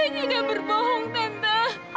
saya juga berbohong tante